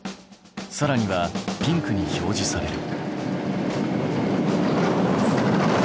さらにはピンクに表示される。